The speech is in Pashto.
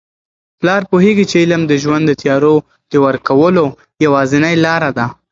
پلار پوهیږي چي علم د ژوند د تیارو د ورکولو یوازینۍ لاره ده.